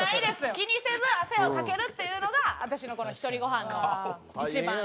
気にせず汗をかけるっていうのが私のこのひとりごはんの一番いい。